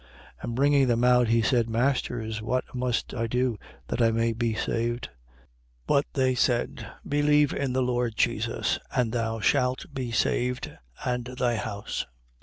16:30. And bringing them out, he said: Masters, what must I do, that I may be saved? 16:31. But they said: believe in the Lord Jesus: and thou shalt be saved, and thy house.